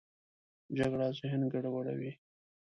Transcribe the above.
جګړه ذهن ګډوډوي